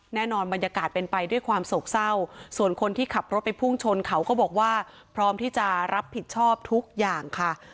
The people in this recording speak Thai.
บรรยากาศเป็นไปด้วยความโศกเศร้าส่วนคนที่ขับรถไปพุ่งชนเขาก็บอกว่าพร้อมที่จะรับผิดชอบทุกอย่างค่ะ